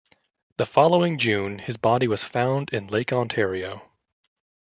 The following June, his body was found in Lake Ontario.